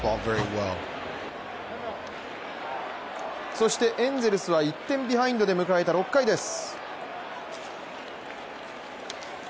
そしてエンゼルスは１点ビハインドで迎えた６回です。